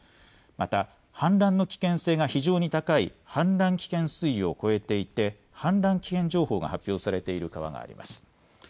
また氾濫の危険性が非常に高い氾濫危険水位を超えていて氾濫危険情報が発表されている川があります。